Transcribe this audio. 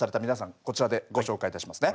こちらでご紹介いたしますね。